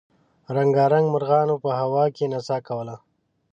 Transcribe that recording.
رنګارنګ مرغانو په هوا کې نڅا کوله.